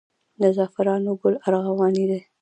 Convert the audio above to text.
د زعفرانو ګل ارغواني دی